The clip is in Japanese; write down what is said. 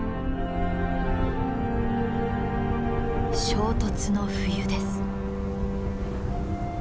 衝突の冬です。